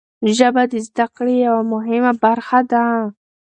ژبه د زده کړې یوه مهمه برخه ده.